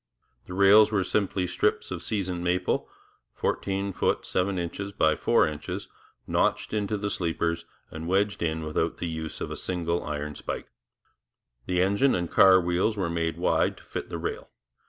The rails were simply strips of seasoned maple, 14'x7"x4", notched into the sleepers and wedged in without the use of a single iron spike. The engine and car wheels were made wide to fit the rail.